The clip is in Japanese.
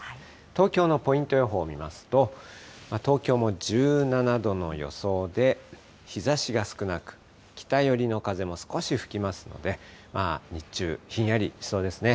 東京のポイント予報見ますと、東京も１７度の予想で、日ざしが少なく、北寄りの風も少し吹きますので、日中ひんやりしそうですね。